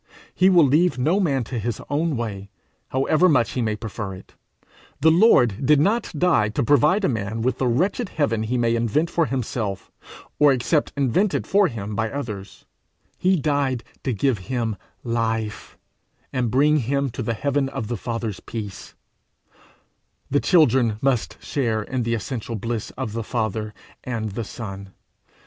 He will leave no man to his own way, however much he may prefer it. The Lord did not die to provide a man with the wretched heaven he may invent for himself, or accept invented for him by others; he died to give him life, and bring him to the heaven of the Father's peace; the children must share in the essential bliss of the Father and the Son.